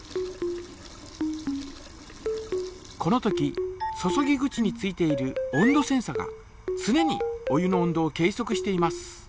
このとき注ぎ口に付いている温度センサがつねにお湯の温度を計そくしています。